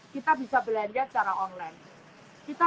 kita bisa belanja secara online